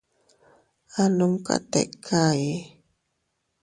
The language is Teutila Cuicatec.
A numka tika ii.